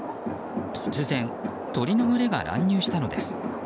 突然、鳥の群れが乱入したのです。